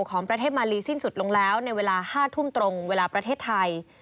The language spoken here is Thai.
ของประเทศมาลีสิ้นสุดลงแล้วในเวลา๕ทุ่มตรงเวลาประเทศไทย